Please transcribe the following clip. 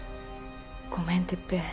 ごめん哲平。